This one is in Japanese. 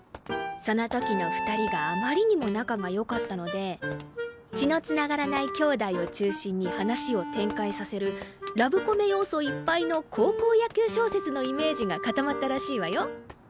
その時の２人があまりにも仲が良かったので血の繋がらない兄妹を中心に話を展開させるラブコメ要素いっぱいの高校野球小説のイメージが固まったらしいわよ。